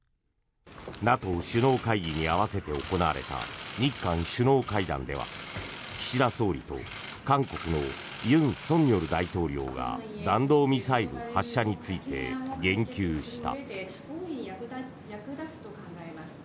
ＮＡＴＯ首脳会議に合わせて行われた日韓首脳会談では岸田総理と韓国の尹錫悦大統領が弾道ミサイル発射について言及した。